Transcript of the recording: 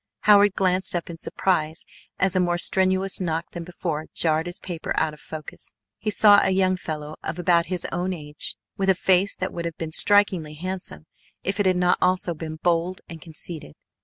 Howard glanced up in surprise as a more strenuous knock than before jarred his paper out of focus. He saw a young fellow of about his own age with a face that would have been strikingly handsome if it had not also been bold and conceited.